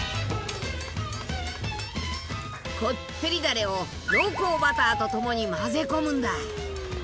コッテリだれを濃厚バターとともに混ぜ込むんだ。